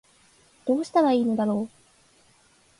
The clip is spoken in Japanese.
どうしたら良いのだろう